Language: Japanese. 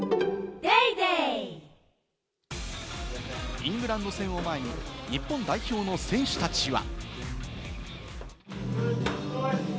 イングランド戦を前に、日本代表の選手たちは。